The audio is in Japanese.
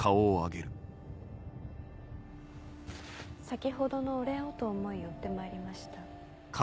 先ほどのお礼をと思い追ってまいりました